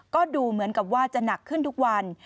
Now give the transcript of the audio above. ก็ดูเหมือนกับว่าจะหนักขึ้นทุกวัน